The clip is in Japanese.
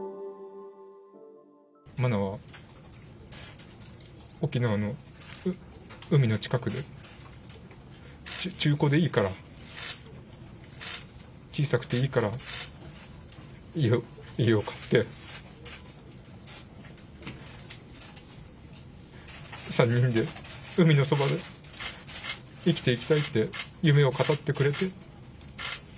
真菜は沖縄の海の近くで、中古でいいから、小さくていいから、家を買って、３人で海のそばで、生きていきたいって、夢を語ってくれて。